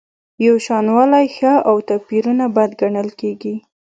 یوشانوالی ښه او توپیرونه بد ګڼل کیږي.